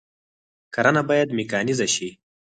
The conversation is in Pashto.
کرنه باید میکانیزه شي